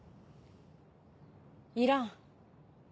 いらん。